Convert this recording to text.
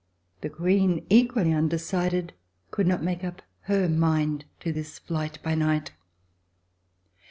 The Queen, equally undecided, could not make up her mind to this flight by night.